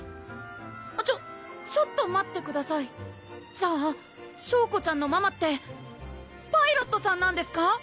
ちょっちょっと待ってくださいじゃあ翔子ちゃんのママってパイロットさんなんですか？